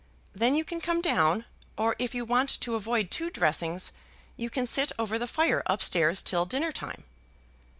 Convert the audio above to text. Then you can come down, or if you want to avoid two dressings you can sit over the fire up stairs till dinner time."